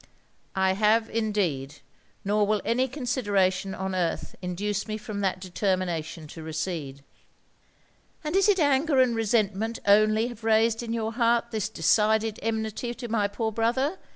'I have indeed! Nor will any consideration on earth induce me from that determination to recede.' 'And is it anger and resentment only have raised in your heart this decided enmity to my poor brother?